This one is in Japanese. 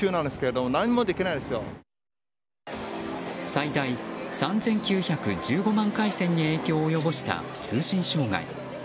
最大３９１５万回線に影響を及ぼした通信障害。